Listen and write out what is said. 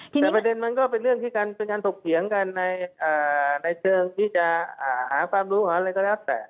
แต่ประเด็นมันก็เป็นเรื่องที่เป็นการถกเถียงกันในเชิงที่จะหาความรู้หาอะไรก็แล้วแต่